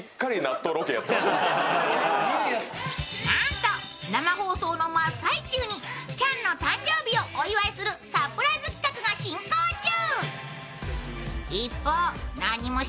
なんと生放送の真っ最中にチャンの誕生日をお祝いするサプライズ企画が進行中。